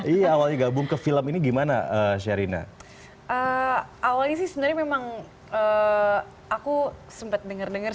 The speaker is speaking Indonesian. iya awalnya gabung ke film ini gimana sherina awalnya sih sebenarnya memang aku sempat denger denger